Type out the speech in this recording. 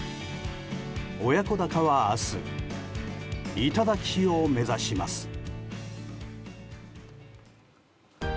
親子鷹は明日、頂を目指します。